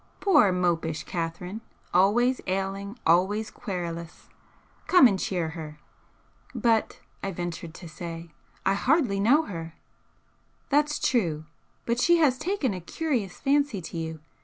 Poor mopish Catherine! always ailing, always querulous! Come and cheer her!" "But" I ventured to say "I hardly know her." "That's true. But she has taken a curious fancy to you.